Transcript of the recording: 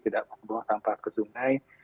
tidak membawa sampah ke sungai